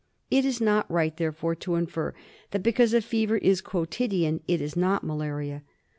It is not right, therefore, to infer that because a fever is quotidian it is not malaria.